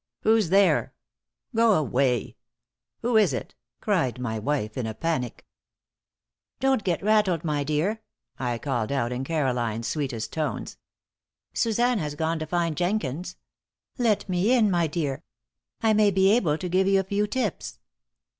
"Who's there? Go away! Who is it?" cried my wife, in a panic. "Don't get rattled, my dear," I called out, in Caroline's sweetest tones. "Suzanne has gone to find Jenkins. Let me in, my dear. I may be able to give you a few tips."